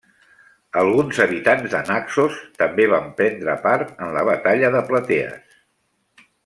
Alguns habitants de Naxos també van prendre part en la Batalla de Platees.